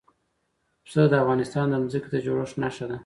پسه د افغانستان د ځمکې د جوړښت نښه ده.